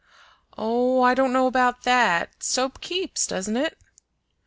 "Oh, I don't know about that; soap keeps, doesn't it?"